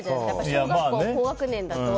小学校高学年だと。